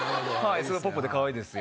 ポップでかわいいですよ。